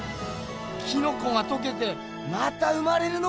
キノコがとけてまた生まれるのかぁ！